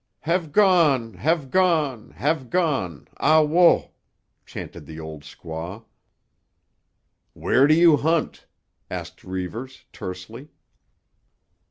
"Have gone, have gone, have gone. Ah wo!" chanted the old squaw. "Where do you hunt?" asked Reivers tersely.